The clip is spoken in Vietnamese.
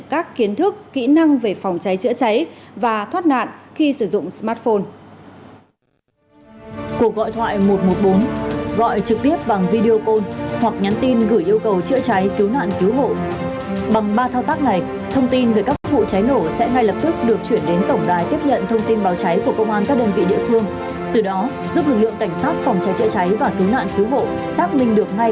các kiến thức kỹ năng về phòng cháy chữa cháy và thoát nạn khi sử dụng smartphone